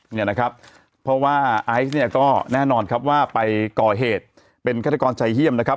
พี่ภาคก็แน่นอนว่าไปก่องห๗เป็นขนตรกรชัยเที่ยม